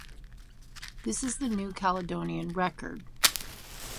This is the New Caledonian record